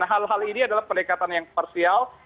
hal hal ini adalah pendekatan yang parsial